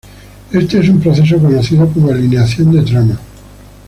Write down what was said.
Este es un proceso conocido como alineación de trama.